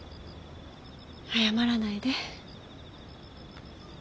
謝らないで。